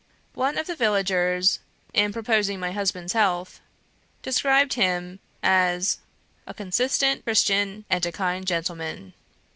One of the villagers, in proposing my husband's health, described him as a 'consistent Christian and a kind gentleman.'